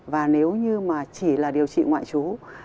và nếu như mà chỉ là điều trị ngoại trú